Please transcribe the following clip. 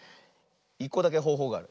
１こだけほうほうがある。